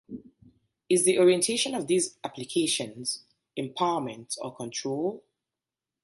Is the orientation of these applications empowerment or control?